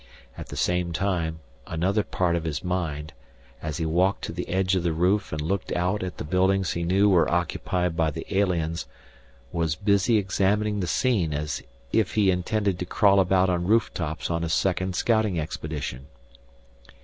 At the same time, another part of his mind, as he walked to the edge of the roof and looked out at the buildings he knew were occupied by the aliens, was busy examining the scene as if he intended to crawl about on roof tops on a second scouting expedition.